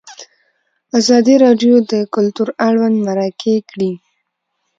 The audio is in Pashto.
ازادي راډیو د کلتور اړوند مرکې کړي.